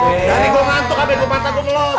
dari gua ngantuk sampe gua mata gua ngelopat